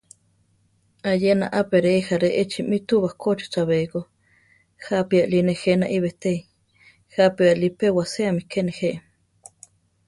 Ayena a peréi járe echimi túu bakóchi chabéiko, jápi Ali nejé naí betéi, jápi Ali pe waséami ke nejé.